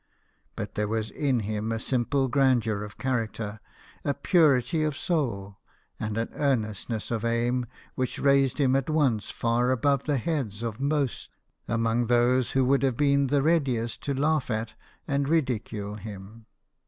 But there was in him a simple grandeur of character, a purity of soul, and an earnestness of aim which raised him at once far above the heads of most among those who would have been the readiest to laugh at and ridicule him.